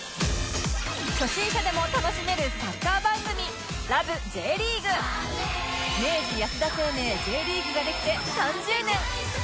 初心者でも楽しめるサッカー番組明治安田生命 Ｊ リーグができて３０年！